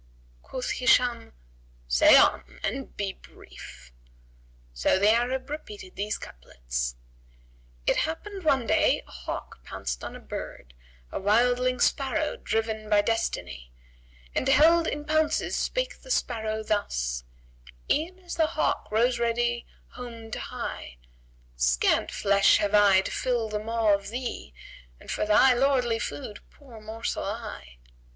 Quoth Hisham, "Say on and be brief;" so the Arab repeated these couplets, "It happed one day a hawk pounced on a bird, * A wildling sparrow driven by destiny; And held in pounces spake the sparrow thus, * E'en as the hawk rose ready home to hie:— 'Scant flesh have I to fill the maw of thee * And for thy lordly food poor morsel I.